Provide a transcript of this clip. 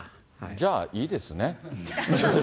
じゃあ、いいですね。